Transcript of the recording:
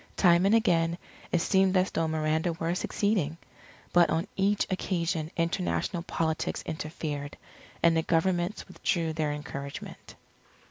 Time and again, it seemed as though Miranda were succeeding. But on each occasion international politics interfered, and the Governments withdrew their encouragement.